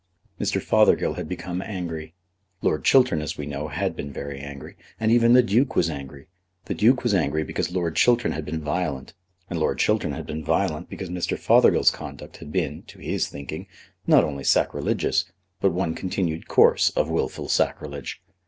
Mr. Fothergill had become angry. Lord Chiltern, as we know, had been very angry. And even the Duke was angry. The Duke was angry because Lord Chiltern had been violent; and Lord Chiltern had been violent because Mr. Fothergill's conduct had been, to his thinking, not only sacrilegious, but one continued course of wilful sacrilege.